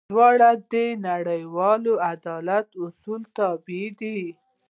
دواړه د نړیوال عدالت اصولو تابع دي.